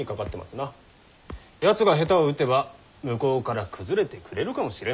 やつが下手を打てば向こうから崩れてくれるかもしれん。